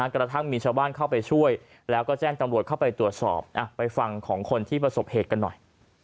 กระทั่งมีชาวบ้านเข้าไปช่วยแล้วก็แจ้งตำรวจเข้าไปตรวจสอบไปฟังของคนที่ประสบเหตุกันหน่อย